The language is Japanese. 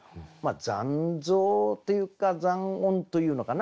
残像というか残音というのかな。